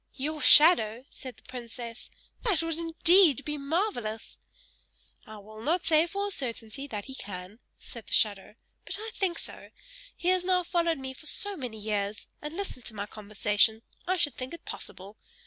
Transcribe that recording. "Your shadow!" said the princess. "That would indeed be marvellous!" "I will not say for a certainty that he can," said the shadow, "but I think so; he has now followed me for so many years, and listened to my conversation I should think it possible.